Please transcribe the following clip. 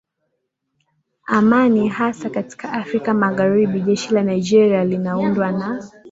amani hasa katika Afrika Magharibi Jeshi la Nigeria linaundwa na